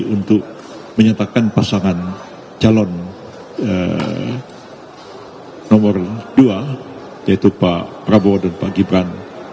untuk menyatakan pasangan calon nomor dua yaitu pak prabowo dan pak gibran